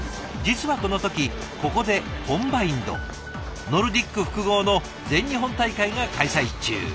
実はこの時ここでコンバインドノルディック複合の全日本大会が開催中。